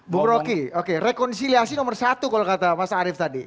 bu rocky oke rekonsiliasi nomor satu kalau kata mas arief tadi